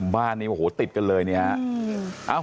บ้านนี้ติดกันเลยนะครับ